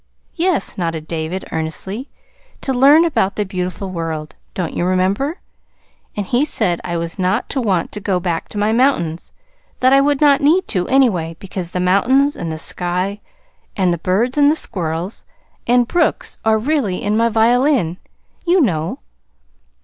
"Yes," nodded David earnestly; "to learn about the beautiful world. Don't you remember? And he said I was not to want to go back to my mountains; that I would not need to, anyway, because the mountains, and the sky, and the birds and squirrels and brooks are really in my violin, you know.